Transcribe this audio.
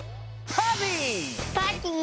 パーティー！